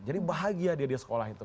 jadi bahagia dia di sekolah itu